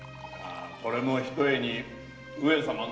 これもひとえに上様のお陰です。